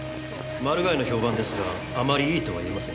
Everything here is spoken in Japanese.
マルガイの評判ですがあまりいいとは言えません。